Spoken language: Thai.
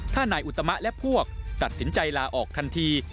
ถ้านายอุตมะและพวกตัดสินใจลาออกทันที